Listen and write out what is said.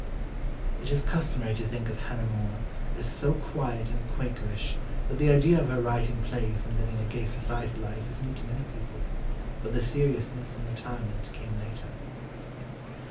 It is customary to think of Hannah More as so quiet and Quakerish that the idea of her writing plays and living a gay society life is new to many people, but the seriousness and retirement came later.